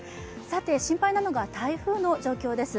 心配なのが台風の状況です。